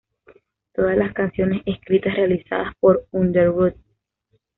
Todas las canciones escritas y realizadas por Underoath.